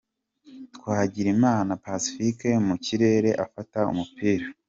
Twagirimana Pacifique mu kirere afata umupira .